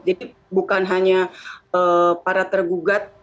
jadi bukan hanya para tergugat